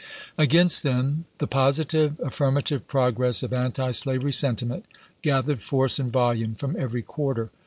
Against them the positive affirmative progress of antislavery sentiment gathered force and volume from every quarter.